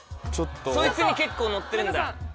そいつに結構のってるんだ。